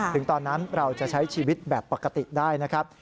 ถึงตอนนั้นเราจะใช้ชีวิตแบบปกติได้นะครับ